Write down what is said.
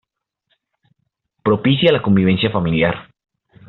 Propicia la convivencia familiar.